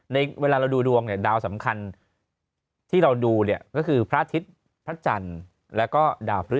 ในเวลาเราดูดวงเนี่ยดาวสำคัญที่เราดูเนี่ยก็คือพระอาทิตย์พระจันทร์แล้วก็ดาวพฤ